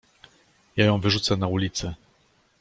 Ja ją wyrzucę na ulicę!